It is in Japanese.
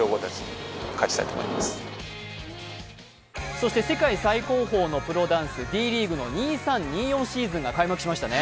そして、世界最高峰のプロダンスのＤ．ＬＥＡＧＵＥの２３−２４シーズンが開幕しましたね。